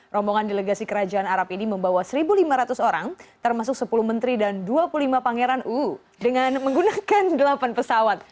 rombongan delegasi kerajaan arab ini membawa satu lima ratus orang termasuk sepuluh menteri dan dua puluh lima pangeran uu dengan menggunakan delapan pesawat